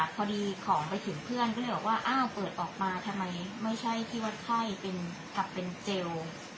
พอดีของไปถึงเพื่อนก็เลยบอกว่าอ้าวเปิดออกมาทำไมไม่ใช่ที่วัดไข้กับเป็นเจล